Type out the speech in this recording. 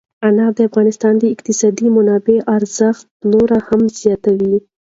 انار د افغانستان د اقتصادي منابعو ارزښت نور هم زیاتوي.